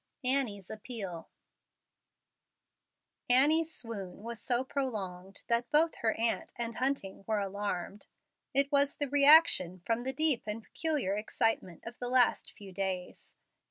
ANNIE'S APPEAL Annie's swoon was so prolonged that both her aunt and Hunting were alarmed. It was the reaction from the deep and peculiar excitement of the last few days.